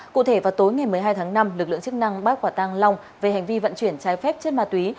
cụ thể vào tối ngày một mươi hai tháng năm lực lượng chức năng bắt quả tăng long về hành vi vận chuyển trái phép chất ma túy